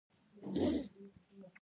نو ولې یې امیر ته اطلاع ور نه کړه.